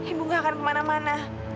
ibu gak akan kemana mana